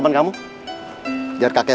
bukannya kein vegky